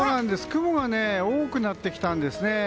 雲が多くなってきたんですね。